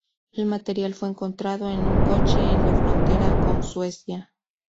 El material fue encontrado en un coche en la frontera con Suecia.